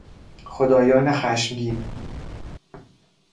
خدایان خشمگین